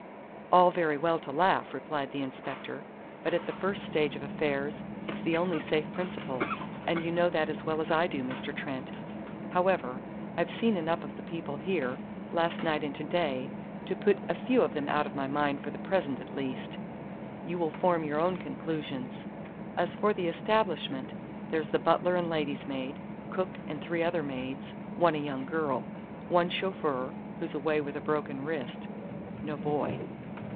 "All very well to laugh," replied the inspector, "but at the first stage of affairs it's the only safe principle, and you know that as well as I do, Mr. Trent. However, I've seen enough of the people here, last night and to day, to put a few of them out of my mind for the present at least. You will form your own conclusions. As for the establishment, there's the butler and lady's maid, cook and three other maids, one a young girl. One chauffeur, who's away with a broken wrist. No boy."